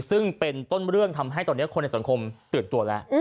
ซึ่งเป็นต้นเรื่องทำให้ตอนนี้คนในสังคมตื่นตัวแล้ว